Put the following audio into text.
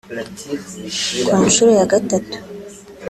Ku nshuro ya gatatu